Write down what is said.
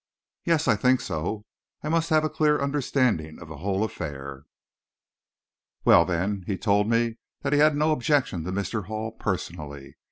"Yes; I think so; as I must have a clear understanding of the whole affair." "Well, then, he told me that he had no objection to Mr. Hall, personally.